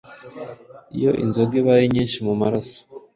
iyo inzoga ibaye nyinshi mu maraso,